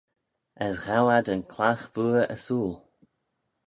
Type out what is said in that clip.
As ghow ad yn clagh vooar ersooyl.